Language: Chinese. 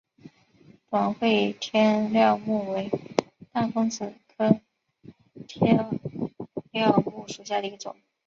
短穗天料木为大风子科天料木属下的一个种。